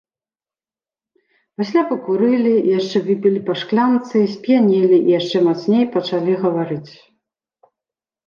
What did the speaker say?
Пасля пакурылі, яшчэ выпілі па шклянцы, сп'янелі і яшчэ мацней пачалі гаварыць.